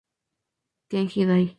Kenji Dai